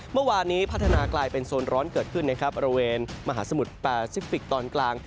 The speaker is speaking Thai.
เมื่อวานนี้พัฒนากลายเป็นโซนร้อนเกิดขึ้นนะครับบริเวณมหาสมุทรแปซิฟิกตอนกลาง